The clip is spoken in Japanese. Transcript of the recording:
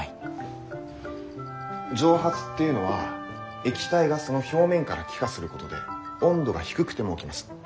蒸発っていうのは液体がその表面から気化することで温度が低くても起きます。